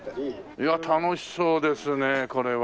いや楽しそうですねこれは。